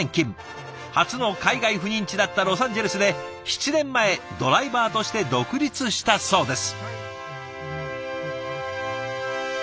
初の海外赴任地だったロサンゼルスで７年前ドライバーとして独立したそうです。